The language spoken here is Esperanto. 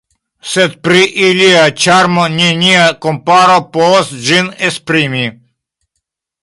Sed pri ilia ĉarmo, nenia komparo povas ĝin esprimi.